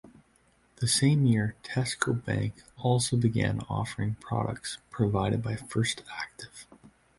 The same year, Tesco Bank also began offering products provided by First Active.